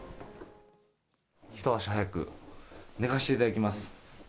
一足早く、寝かしていただきます。